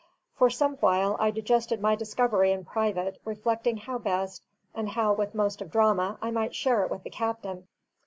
For some while I digested my discovery in private, reflecting how best, and how with most of drama, I might share it with the captain.